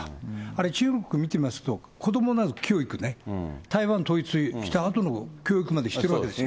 中国見てますと、子どもの教育ね、台湾統一したあとの教育までしてるわけですよ。